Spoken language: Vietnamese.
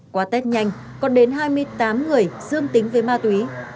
qua tết nhanh còn đến hai mươi tám người dương tính với ma túy